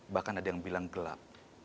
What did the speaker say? bahkan ada yang bilang gelap